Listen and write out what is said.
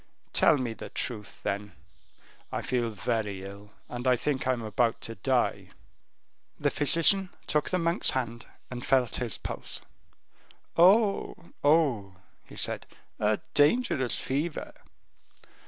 Tell me the truth, then; I feel very ill, and I think I am about to die." The physician took the monk's hand, and felt his pulse. "Oh, oh," he said, "a dangerous fever."